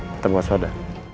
kita buat suara